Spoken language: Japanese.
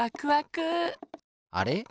あれ？